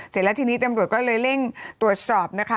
เสร็จแล้วทีนี้ตำรวจก็เลยเร่งตรวจสอบนะคะ